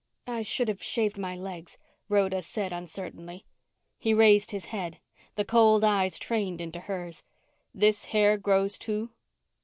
"I should have shaved my legs," Rhoda said uncertainly. He raised his head, the cold eyes trained into hers. "This hair grows, too?"